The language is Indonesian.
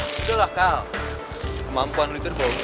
itulah kau kemampuan liter bomku